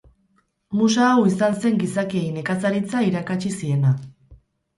Musa hau izan zen gizakiei nekazaritza irakatsi ziena.